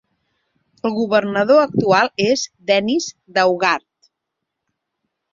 El governador actual és Dennis Daugaard.